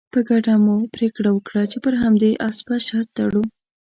په ګډه مو پرېکړه وکړه چې پر همدې اس به شرط تړو.